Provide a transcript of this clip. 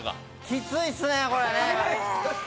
きついっすね、これね。